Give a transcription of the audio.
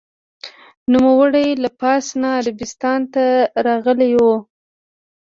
نوموړی له پارس نه عربستان ته راغلی و.